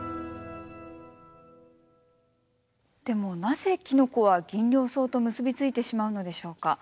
でもなぜキノコはギンリョウソウと結び付いてしまうのでしょうか。